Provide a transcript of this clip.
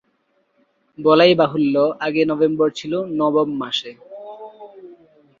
বলাই বাহুল্য, আগে নভেম্বর ছিলো নবম মাস।